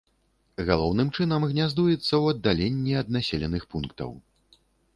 Галоўным чынам гняздуецца ў аддаленні ад населеных пунктаў.